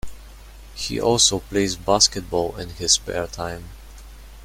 He also plays basketball in his spare time.